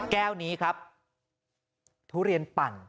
แก้วนี้ครับทุเรียนปั่น